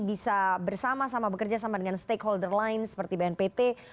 bisa bersama sama bekerja sama dengan stakeholder lain seperti bnpt